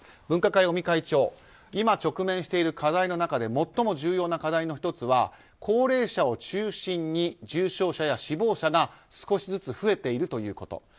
分科会の尾身会長は今直面している課題の中で最も重要な課題の一つは高齢者を中心に重症者や死亡者が少しずつ増えているということ。